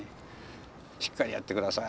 「しっかりやってください」